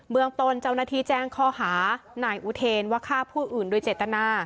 เมืองตนเจ้าหน้าที่แจ้งข้อหานายอุเทนว่าฆ่าผู้อื่นโดยเจตนา